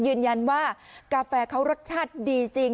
ยืนยันว่ากาแฟเขารสชาติดีจริง